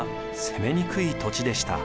攻めにくい土地でした。